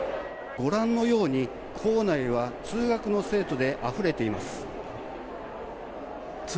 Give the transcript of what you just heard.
ご覧のように、構内は通学の生徒であふれています。